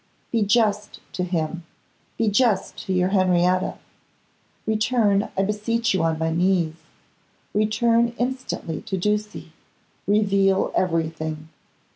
Be just to him; be just to your Henrietta! Return, I beseech you on my knees; return instantly to Ducie; reveal everything.